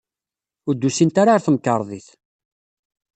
Ur d-usint ara ɣer temkarḍit.